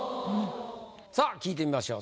さあ聞いてみましょう。